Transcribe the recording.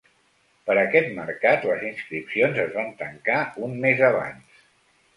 Per aquest mercat les inscripcions es van tancar un mes abans.